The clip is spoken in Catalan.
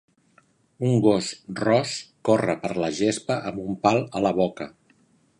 Un gos ros corre per la gespa amb un pal a la boca.